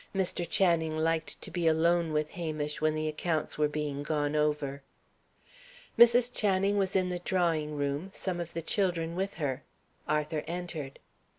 Mr. Channing liked to be alone with Hamish when the accounts were being gone over. Mrs. Channing was in the drawing room, some of the children with her. Arthur entered.